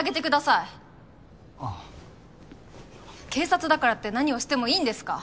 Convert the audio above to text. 警察だからって何をしてもいいんですか？